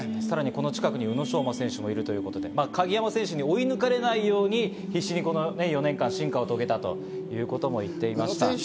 さらにこの近くに宇野昌磨選手もいるということで、鍵山選手に追い抜かれないように、この４年間、進化を遂げたと言っていました。